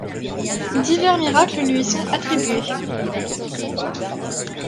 Divers miracles lui sont attribués.